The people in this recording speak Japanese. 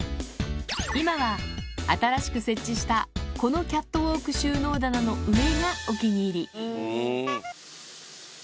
今は、新しく設置したこのキャットウォーク収納棚の上がお気に入り。